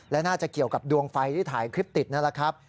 และน่าจะเกี่ยวกับดวงไฟที่ถ่ายคลิปติดนั่นแหละครับ